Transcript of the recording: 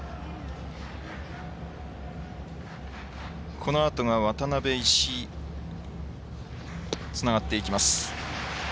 このあとは渡邉つながっていきます。